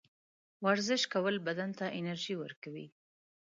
ورزش کول بدن ته انرژي ورکوي.